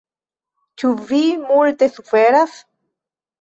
Ĉu vi multe suferas?